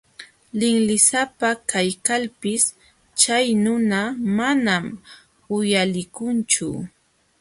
Linlisapa kaykalpis chay nuna manam uyalikunchu.